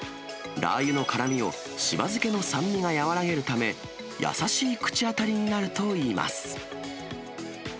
ラー油の辛みを、柴漬けの酸味が和らげるため、優しい口当たりになるといいます。